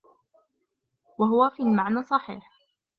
وَهُوَ فِي الْمَعْنَى صَحِيحٌ